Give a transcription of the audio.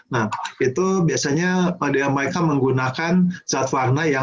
nah itu biasanya mereka menggunakan zat warna yang